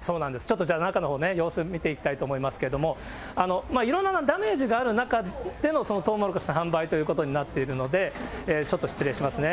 そうなんです、ちょっとじゃあ、中のほう、様子見ていきたいと思いますけれども、いろんなダメージがある中でのとうもろこしの販売ということになっているので、ちょっと失礼しますね。